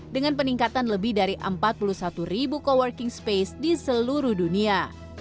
dengan peningkatan lebih dari empat puluh satu ribu co working space di seluruh dunia